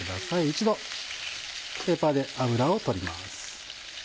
一度ペーパーで油を取ります。